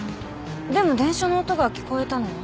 でも電車の音が聞こえたのは？